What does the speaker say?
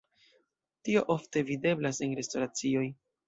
Tio ofte videblas en restoracioj.